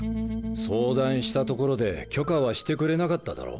相談したところで許可はしてくれなかっただろう？